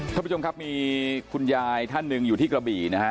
ท่านผู้ชมครับมีคุณยายท่านหนึ่งอยู่ที่กระบี่นะฮะ